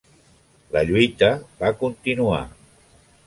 La lluita va continuar.